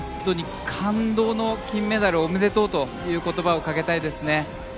感動の金メダルをおめでとうという言葉をかけたいですね。